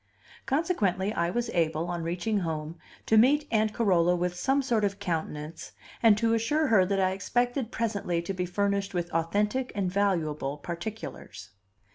Consequently, I was able, on reaching home, to meet Aunt Carola with some sort of countenance, and to assure her that I expected presently to be furnished with authentic and valuable particulars.